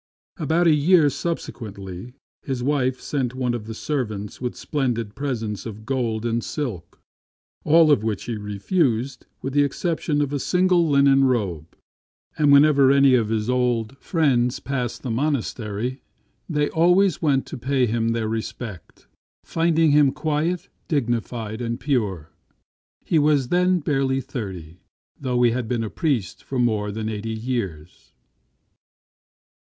About a year subsequently, his wife sent one of the servants with splendid presents of gold and silk, all of which he refused with the exception of a single linen robe. And whenever any of his old friends passed this monastery, they always went to pay him their respects, finding him quiet, dignified, and pure. He was then barely thirty, though he had been a priest for more than eighty years.